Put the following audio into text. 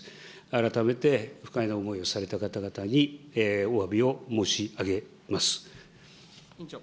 改めて不快な思いをされた方々におわびを申し上げます。